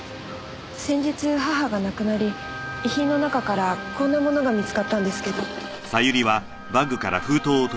先日母が亡くなり遺品の中からこんな物が見つかったんですけど。